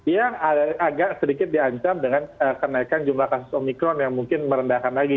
yang agak sedikit diancam dengan kenaikan jumlah kasus omikron yang mungkin merendahkan lagi